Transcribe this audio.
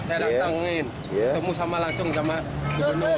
saya datang ingin ketemu sama langsung sama gubernur